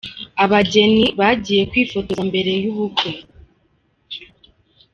Abageni bagiye kwifotoza mbere y'ubukwe.